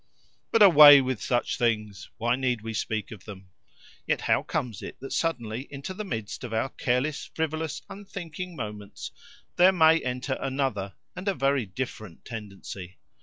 But away with such things! Why need we speak of them? Yet how comes it that suddenly into the midst of our careless, frivolous, unthinking moments there may enter another, and a very different, tendency?